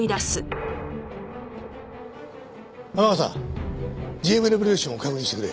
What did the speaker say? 天笠ＧＭレボリューションを確認してくれ。